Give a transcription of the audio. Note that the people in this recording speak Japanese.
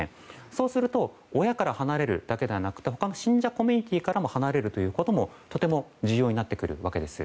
そうすると親から離れるだけではなくて他の信者コミュニティーから離れることもとても重要になってくるわけです。